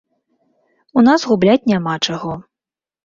У нас губляць няма чаго.